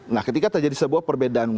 nah ketika terjadi sebuah perbedaan